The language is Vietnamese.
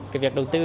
cái việc đầu tư